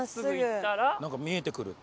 なんか見えてくるって。